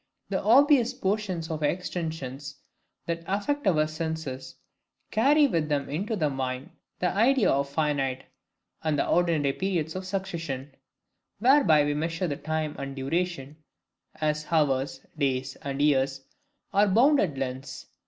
The obvious portions of extension that affect our senses, carry with them into the mind the idea of finite: and the ordinary periods of succession, whereby we measure time and duration, as hours, days, and years, are bounded lengths.